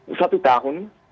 ini satu tahun